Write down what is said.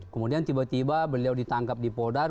kemudian tiba tiba beliau ditangkap di polda